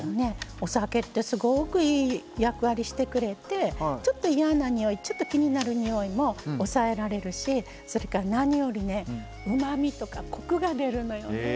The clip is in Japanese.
お酒って、すごくいい役割してくれてちょっと嫌なにおい気になるにおいも抑えられるし、それから何よりうまみとかコクが出るのよね。